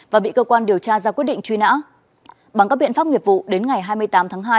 và bị cơ quan điều tra ra quyết định truy nã bằng các biện pháp nghiệp vụ đến ngày hai mươi tám tháng hai